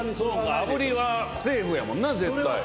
炙りはセーフやもんな絶対。